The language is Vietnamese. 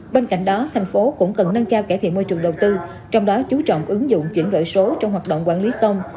bên cạnh đó thành phố cũng cần nâng cao cải thiện môi trường đầu tư trong đó chú trọng ứng dụng chuyển đổi số trong hoạt động quản lý công